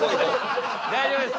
大丈夫です。